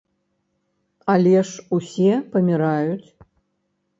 Але ж усе паміраюць.